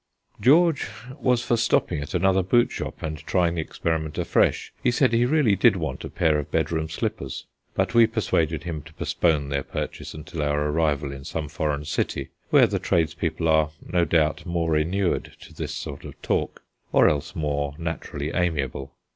George was for stopping at another boot shop and trying the experiment afresh; he said he really did want a pair of bedroom slippers. But we persuaded him to postpone their purchase until our arrival in some foreign city, where the tradespeople are no doubt more inured to this sort of talk, or else more naturally amiable.